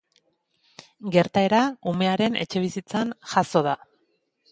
Gertaera umearen etxebizitzan jazo da.